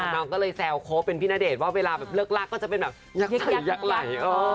น้องก็เลยแซวโค้เป็นพี่ณเดชน์ว่าเวลาแบบเลิกรักก็จะเป็นแบบยักษ์ยักไหล